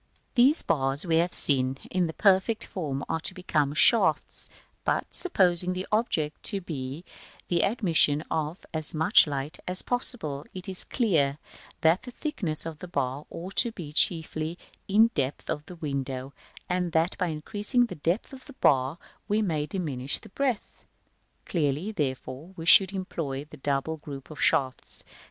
] These bars we have seen, in the perfect form, are to become shafts; but, supposing the object to be the admission of as much light as possible, it is clear that the thickness of the bar ought to be chiefly in the depth of the window, and that by increasing the depth of the bar we may diminish its breadth: clearly, therefore, we should employ the double group of shafts, b, of Fig.